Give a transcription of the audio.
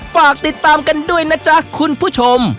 ฝากติดตามกันด้วยนะจ๊ะคุณผู้ชม